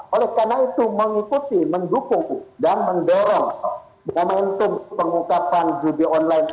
oleh karena itu mengikuti mendukung dan mendorong momentum pengungkapan judi online